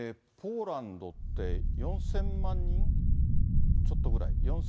ポーランドって、４０００万人ちょっとぐらい？